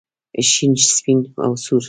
شین سپین او سور.